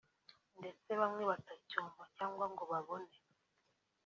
ndetse bamwe batacyumva cyangwa ngo babone